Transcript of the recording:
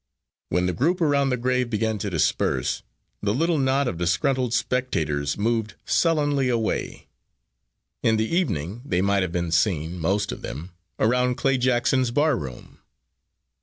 When the group around the grave began to disperse, the little knot of disgruntled spectators moved sullenly away. In the evening they might have been seen, most of them, around Clay Jackson's barroom.